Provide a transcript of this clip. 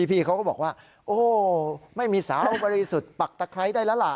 พี่เขาก็บอกว่าโอ้ไม่มีสาวบริสุทธิ์ปักตะไคร้ได้แล้วล่ะ